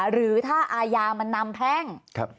หรือถ้าอาญามันนำแพ่ง